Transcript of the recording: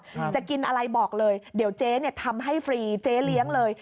จะกินอะไรบอกเลยเดี๋ยวเจ๊เนี้ยทำให้ฟรีเจ๊เลี้ยงเลย